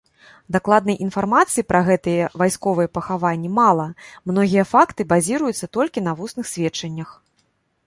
Дакладнай інфармацыі пра гэтыя вайсковыя пахаванні мала, многія факты базіруюцца толькі на вусных сведчаннях.